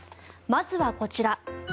まずはこちら。